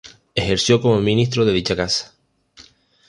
Ejerció como Ministro de dicha casa.